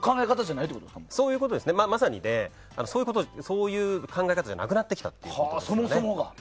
まさにそういう考え方じゃなくなってきたと。